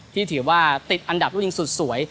ที่ถือว่าติดอันดับลูกยิงสุดสวย